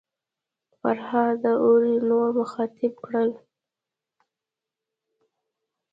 فرهاد داوري نور مخاطب کړل.